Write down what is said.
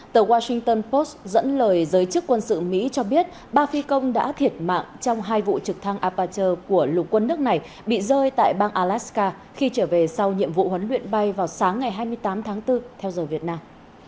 tờ washington post dẫn lời giới chức quân sự mỹ cho biết ba phi công đã thiệt mạng trong hai vụ trực thăng apacher của lục quân nước này bị rơi tại bang alaska khi trở về sau nhiệm vụ huấn luyện bay vào sáng ngày hai mươi tám tháng bốn theo giờ việt nam